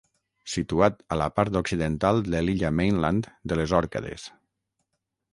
Situat a la part occidental de l'illa Mainland de les Òrcades.